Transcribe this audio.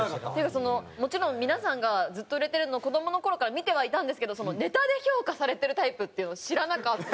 もちろん皆さんがずっと売れてるの子供の頃から見てはいたんですけどネタで評価されてるタイプっていうのを知らなかった。